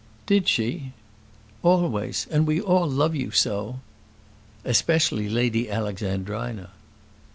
"Did she?" "Always. And we all love you so." "Especially Lady Alexandrina."